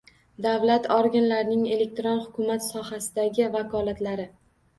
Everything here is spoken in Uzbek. Davlat organlarining elektron hukumat sohasidagi vakolatlari